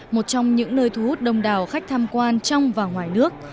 một trong những nơi thu hút đông đào khách tham quan trong vàng